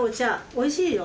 おいしいよ。